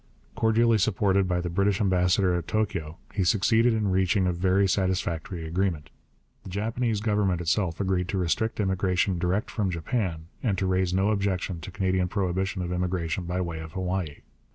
Cordially supported by the British ambassador at Tokio, he succeeded in reaching a very satisfactory agreement. The Japanese Government itself agreed to restrict immigration direct from Japan, and to raise no objection to Canadian prohibition of immigration by way of Hawaii.